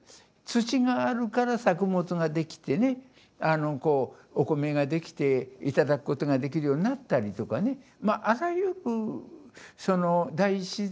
土があるから作物ができてねこうお米ができて頂くことができるようになったりとかね